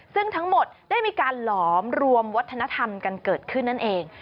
ซึ่งทั้งหมดได้มีการหลอมรวมวัฒนธรรมกันเกิดขึ้นนั่นเอง